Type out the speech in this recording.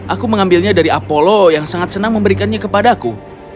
aku mengambilnya dari apolo yang sangat senang memberikannya kepadaku